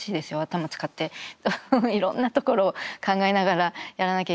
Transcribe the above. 頭使っていろんなところを考えながらやらなきゃいけないので。